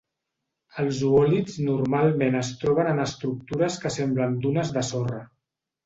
Els oòlits normalment es troben en estructures que semblen dunes de sorra.